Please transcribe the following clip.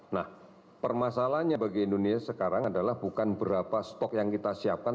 nah permasalahannya bagi indonesia sekarang adalah bukan berapa stok yang kita siapkan